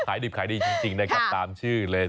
ดิบขายดีจริงนะครับตามชื่อเลย